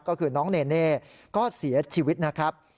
ก็คือน้องเนเน่ก็เสียชีวิตนะครับ